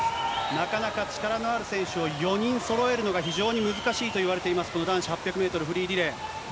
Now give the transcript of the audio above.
なかなか力のある選手を４人そろえるのが非常に難しいといわれています、この男子８００メートルフリーリレー。